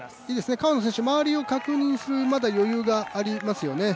川野選手、周りを確認する余裕がまだありますよね。